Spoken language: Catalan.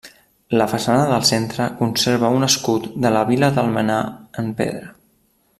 La façana del centre conserva un escut de la vila d'Almenar en pedra.